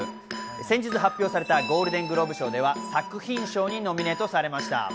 先日発表されたゴールデングローブ賞では作品賞にノミネートされました。